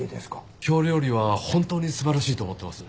京料理は本当に素晴らしいと思ってます。